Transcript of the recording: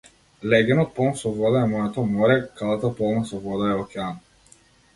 Леѓенот полн со вода е моето море, кадата полна со вода е океан.